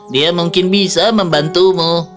dia mungkin bisa membantumu